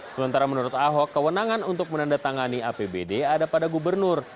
sementara menurut ahok kewenangan untuk menandatangani apbd ada pada gubernur